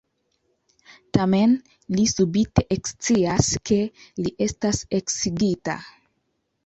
Tamen, li subite ekscias, ke li estas eksigita.